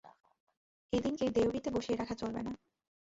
এ দিনকে দেউড়িতে বসিয়ে রাখা চলবে না।